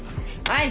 はい。